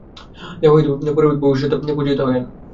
দেববিৎ পুরোহিত দেববৎ পূজিত হয়েন।